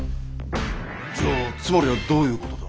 じゃあつまりはどういうことだ？